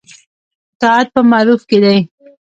اطاعت په معروف کې دی